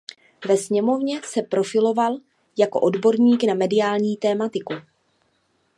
Ve sněmovně se profiloval jako odborník na mediální tematiku.